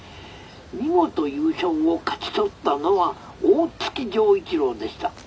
見事優勝を勝ち取ったのは大月錠一郎でした。